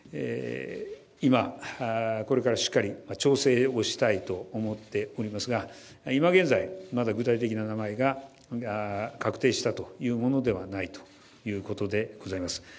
今、これからしっかり調整をしたいと思っておりますが今現在、まだ具体的な名前が確定したというものではないということでございます。